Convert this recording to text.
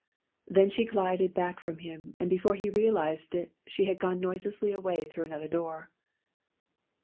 Then she glided back from him, and before he realised it she had gone noiselessly away through another door.